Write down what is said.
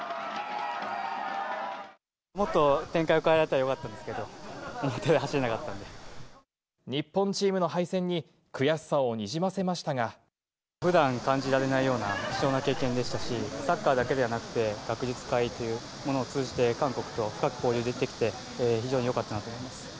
もっと展開を変えられたらよかったんですけど、日本チームの敗戦に、悔しさふだん感じられないような貴重な経験でしたし、サッカーだけではなくて、学術会というものを通じて、韓国と深く交流できて非常によかったなと思います。